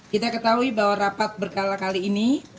kita ketahui bahwa rapat berkala kali ini